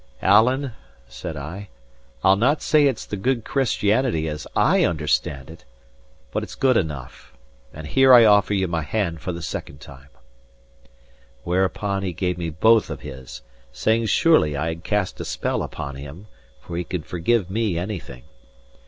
"Alan," said I, "I'll not say it's the good Christianity as I understand it, but it's good enough. And here I offer ye my hand for the second time." Whereupon he gave me both of his, saying surely I had cast a spell upon him, for he could forgive me anything.